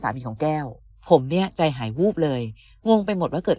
ของแก้วผมเนี่ยใจหายวูบเลยงงไปหมดว่าเกิด